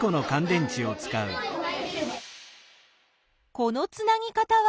このつなぎ方は？